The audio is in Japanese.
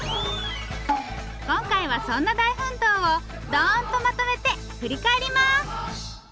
今回はそんな大奮闘をどんとまとめて振り返ります